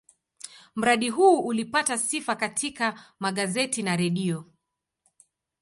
Mradi huu ulipata sifa katika magazeti na redio.